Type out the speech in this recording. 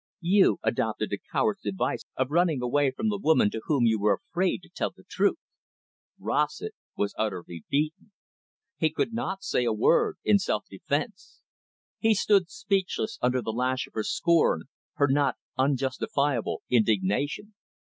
You adopted the coward's device of running away from the woman to whom you were afraid to tell the truth." Rossett was utterly beaten. He could not say a word in self defence. He stood speechless under the lash of her scorn, her not unjustifiable indignation.